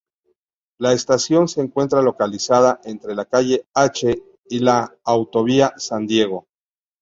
La estación se encuentra localizada entre la Calle H y la Autovía San Diego.